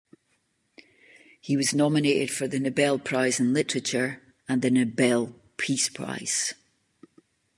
He was nominated for the Nobel Prize in Literature, and the Nobel Peace Prize.